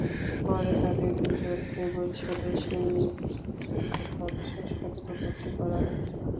পরে তাঁদের দুজনকে বরিশালের শের-ই-বাংলা মেডিকেল কলেজ হাসপাতালে ভর্তি করা হয়।